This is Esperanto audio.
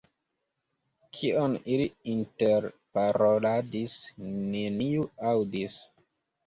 Kion ili interparoladis, neniu aŭdis.